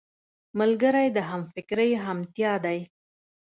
ملګری د همفکرۍ همتيا دی